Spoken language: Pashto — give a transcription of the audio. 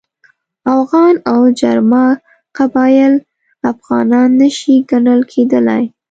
اوغان او جرما قبایل افغانان نه شي ګڼل کېدلای.